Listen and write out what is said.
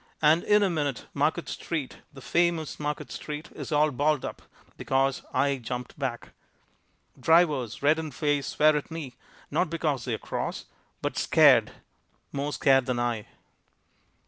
And in a minute Market street, the famous Market street, is all balled up because I jumped back. Drivers, red in the face, swear at me, not because they are cross, but scared more scared than I.